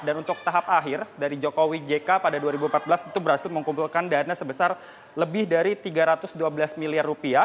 dan untuk tahap akhir dari jokowi jk pada dua ribu empat belas itu berhasil mengkumpulkan dana sebesar lebih dari rp tiga ratus dua belas miliar